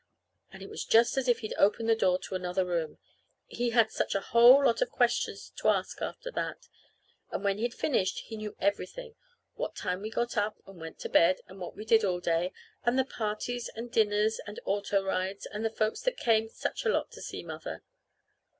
And it was just as if he'd opened the door to another room, he had such a whole lot of questions to ask after that. And when he'd finished he knew everything: what time we got up and went to bed, and what we did all day, and the parties and dinners and auto rides, and the folks that came such a lot to see Mother.